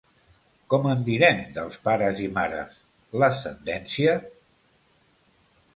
¿Com en direm, dels pares i mares: l'ascendència?